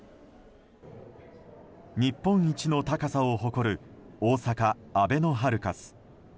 日本一の高さを誇る大阪あべのハルカス。